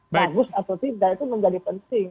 bagus atau tidak itu menjadi penting